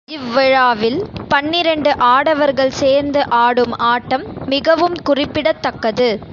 இவ்விழாவில் பன்னிரண்டு ஆடவர்கள் சேர்ந்து ஆடும் ஆட்டம் மிகவும் குறிப்பிடத்தக்கது.